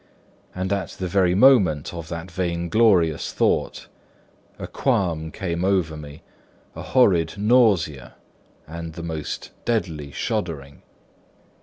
And at the very moment of that vainglorious thought, a qualm came over me, a horrid nausea and the most deadly shuddering.